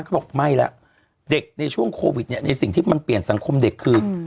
เขาบอกไม่แล้วเด็กในช่วงโควิดเนี่ยในสิ่งที่มันเปลี่ยนสังคมเด็กคือ